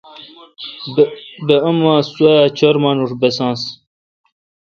بہ اماں سوا چُر مانوش بساں۔